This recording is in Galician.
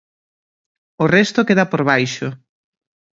O resto queda por baixo.